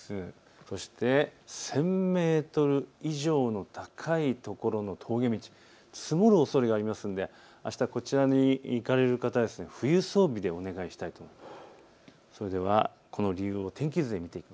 そして１０００メートル以上の高い所の峠道、積もるおそれがありますので、あしたこちらに行かれる方は冬装備でお願いしたいと思います。